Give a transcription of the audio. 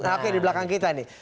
oke di belakang kita nih